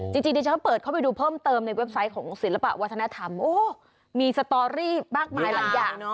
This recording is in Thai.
จริงดิฉันเปิดเข้าไปดูเพิ่มเติมในเว็บไซต์ของศิลปะวัฒนธรรมโอ้มีสตอรี่มากมายหลายอย่างเนอ